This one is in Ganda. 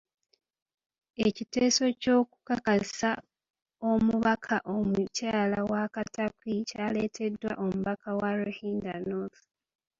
Ekiteeso ky’okukakasa omubaka omukyala wa Katakwi kyaleeteddwa omubaka wa Ruhinda North.